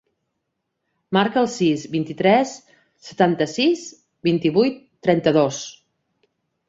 Marca el sis, vint-i-tres, setanta-sis, vint-i-vuit, trenta-dos.